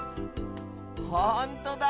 ほんとだ。